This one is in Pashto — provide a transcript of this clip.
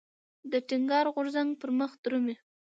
د ټينګار غورځنګ پرمخ درومي.